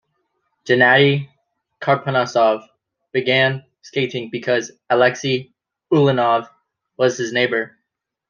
Gennadi Karponosov began skating because Alexei Ulanov was his neighbor.